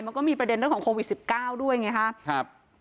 มันก็มีประเด็นเรื่องของโควิด๑๙ด้วยไงครับ